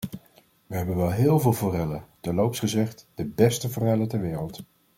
We hebben wel heel veel forellen, terloops gezegd, de beste forellen ter wereld.